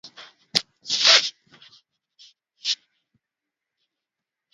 Walibaki wakishangaa namna Jacob alivyokuwa amejirusha hewani